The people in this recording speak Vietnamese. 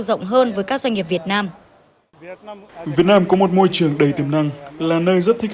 rộng hơn với các doanh nghiệp việt nam việt nam có một môi trường đầy tiềm năng là nơi rất thích